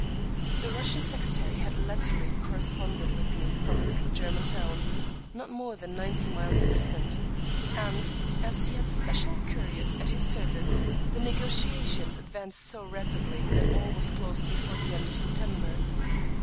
The Russian secretary had latterly corresponded with me from a little German town, not more than ninety miles distant; and, as he had special couriers at his service, the negotiations advanced so rapidly that all was closed before the end of September.